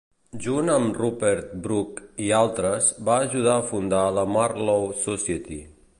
Junt amb Rupert Brooke i altres va ajudar a fundar la Marlowe Society.